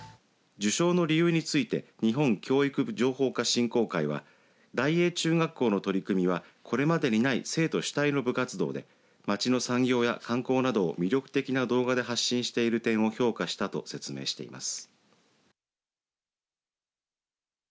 受賞の理由について日本教育情報化振興会は大栄中学校の取り組みはこれまでにない生徒主体の部活動で町の産業や観光などを魅力的な動画で発信している点を評価したと説明しています。